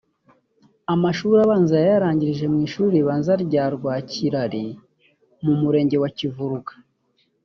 Amashuri abanza yayarangirije mu Ishuri Ribanza rya Rwakirari mu murenge wa Kivuruga